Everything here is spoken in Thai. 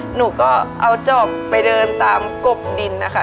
หนูก็เอาจอบไปเดินตามกบดินนะคะ